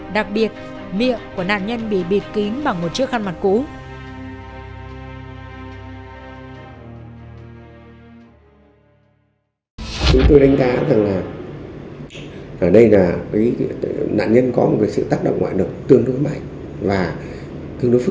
đặc biệt của nạn nhân bị bịt kín bằng một chiếc khăn mặt cũ